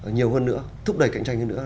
nhiều hơn nữa thúc đẩy cạnh tranh hơn nữa